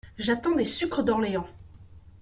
J’attends des sucres d’Orléans !…